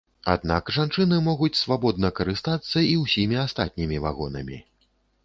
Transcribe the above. Аднак жанчыны могуць свабодна карыстацца і ўсімі астатнімі вагонамі.